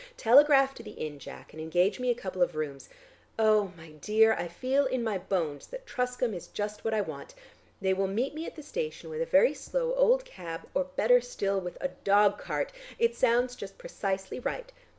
"Telegraph to the inn, Jack, and engage me a couple of rooms oh, my dear, I feel in my bones that Truscombe is just what I want. They will meet me at the station with a very slow old cab, or better still with a dog cart. It sounds just precisely right.